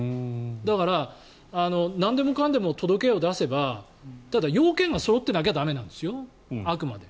だから、なんでもかんでも届けを出せばただ、要件がそろってなきゃ駄目なんですよ、あくまで。